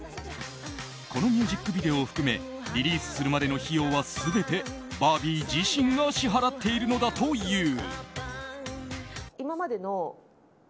このミュージックビデオを含めリリースするまでの費用は全てバービー自身が支払っているのだという。